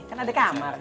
kan ada kamar